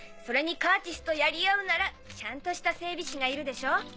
それにカーチスとやり合うならちゃんとした整備士がいるでしょう？